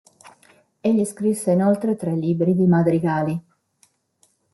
Egli scrisse inoltre tre libri di madrigali.